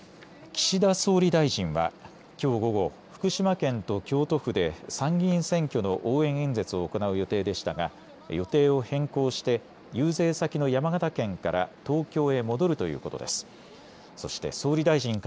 岸田総理大臣はきょう午後、福島県と京都府で参議院選挙の応援演説を行う予定でしたが予定を変更して遊説先の山形県から東京へ戻るということです。